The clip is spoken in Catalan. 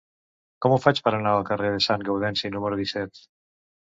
Com ho faig per anar al carrer de Sant Gaudenci número disset?